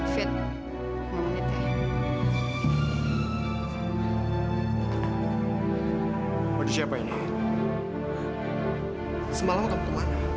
fit tadi malam aku